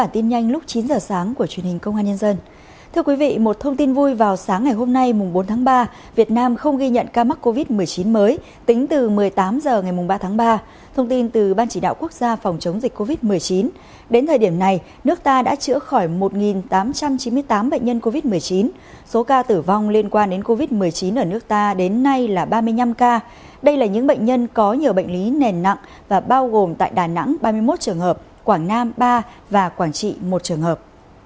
đây là những bệnh nhân có nhiều bệnh lý nền nặng và bao gồm tại đà nẵng ba mươi một trường hợp quảng nam ba và quảng trị một trường hợp